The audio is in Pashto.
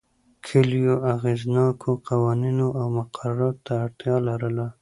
کلیو اغېزناکو قوانینو او مقرراتو ته اړتیا لرله